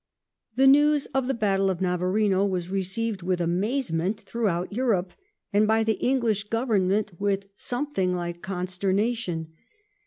The news of the battle of Navarino was received with amaze WelHng ment throughout Europe, and by the English Government with p°"j^ something like consternation.